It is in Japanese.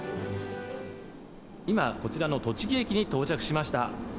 今、こちらの栃木駅に到着し